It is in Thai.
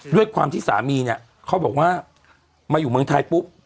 ด้วยความที่สามีเนี่ยเขาบอกว่ามาอยู่เมืองไทยปุ๊บ